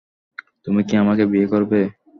তুমি কি আমাকে বিয়ে করবে?